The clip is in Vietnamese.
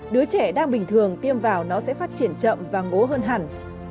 đứa trẻ đang bình thường tiêm vào nó sẽ phát triển chậm và ngố hơn hẳn